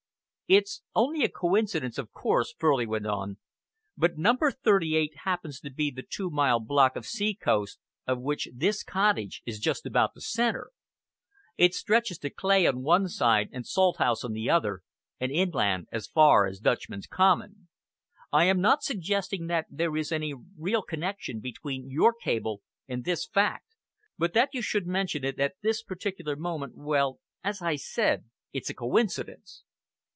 "It's only a coincidence, of course," Furley went on, "but number thirty eight happens to be the two mile block of seacoast of which this cottage is just about the centre. It stretches to Cley on one side and Salthouse on the other, and inland as far as Dutchman's Common. I am not suggesting that there is any real connection between your cable and this fact, but that you should mention it at this particular moment well, as I said, it's a coincidence."